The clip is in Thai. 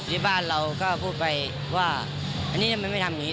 ที่บ้านเราก็พูดไปว่าอันนี้ทำไมไม่ทำอย่างนี้